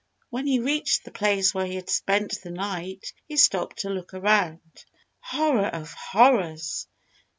When he reached the place where he had spent the night, he stopped to look around him. Horror of Horrors!